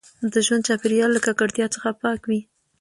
د ژوند چاپیریال له ککړتیا څخه پاک وي.